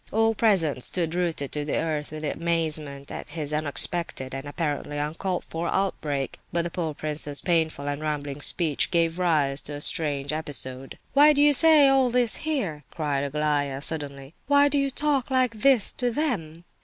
All present stood rooted to the earth with amazement at this unexpected and apparently uncalled for outbreak; but the poor prince's painful and rambling speech gave rise to a strange episode. "Why do you say all this here?" cried Aglaya, suddenly. "Why do you talk like this to _them?